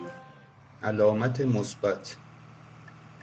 علامت مثبت